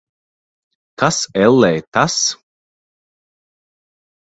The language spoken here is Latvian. Kas, ellē, tas?